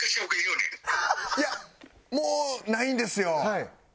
いやもうないんですよ。